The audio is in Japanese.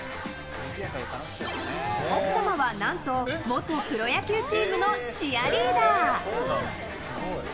奥様は何と元プロ野球チームのチアリーダー。